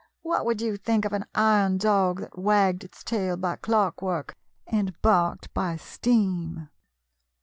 What would you think of an iron dog that wagged its tail by clockwork and barked by stem